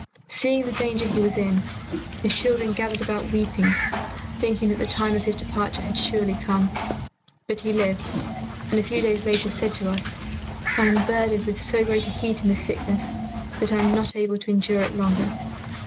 Seeing the danger he was in, his children gathered about weeping, thinking that the time of his departure had surely come. But he lived, and a few days later said to us, 'I am burdened with so great a heat in this sickness that I am not able to endure it longer.